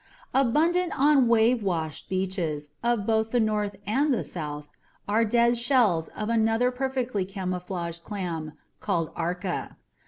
Abundant on wave washed beaches of both the North and the South are dead shells of another perfectly camouflaged clam called ARCA.